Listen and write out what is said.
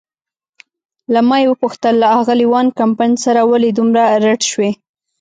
له ما یې وپوښتل: له آغلې وان کمپن سره ولې دومره رډ شوې؟